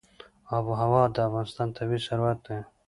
آب وهوا د افغانستان طبعي ثروت دی.